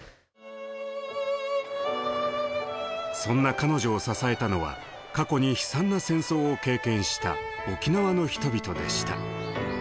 そんな彼女を支えたのは過去に悲惨な戦争を経験した沖縄の人々でした。